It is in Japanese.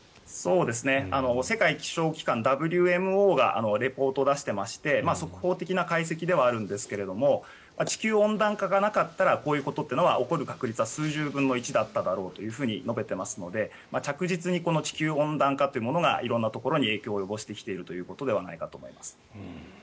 世界気象機関・ＷＭＯがリポートを出していまして速報的な解析ではあるんですが地球温暖化がなければこういうことは起こる確率は数十分の１だっただろうと述べていますので着実に地球温暖化というものが色んなものに影響を及ぼしているということです。